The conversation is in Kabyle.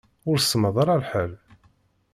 Ur semmeḍ ara lḥal.